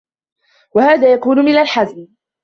وَهَذَا يَكُونُ مِنْ الْحَزْمِ